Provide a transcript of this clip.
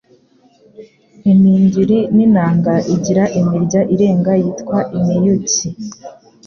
Iningiri n'inanga Igira imirya irenga yitwa “Imiyuki”